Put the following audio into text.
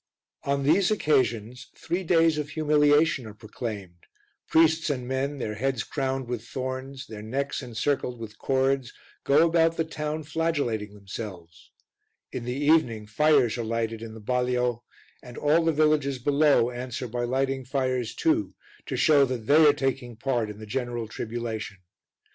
On these occasions three days of humiliation are proclaimed, priests and men, their heads crowned with thorns, their necks encircled with cords, go about the town flagellating themselves; in the evening fires are lighted in the balio, and all the villages below answer by lighting fires too, to show that they are taking part in the general tribulation.